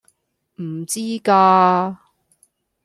唔知㗎